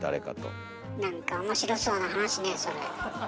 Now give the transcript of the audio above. なんか面白そうな話ねそれ。